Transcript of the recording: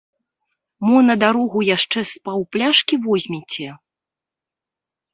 Мо на дарогу яшчэ з паўпляшкі возьмеце?